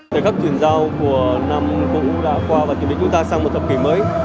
thời khắc chuyển giao của năm cũng đã qua và chuẩn bị chúng ta sang một thập kỷ mới